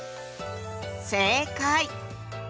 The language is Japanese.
正解！